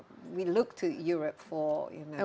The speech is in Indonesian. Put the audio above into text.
eropa adalah panggilan harapan